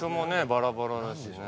バラバラだしね。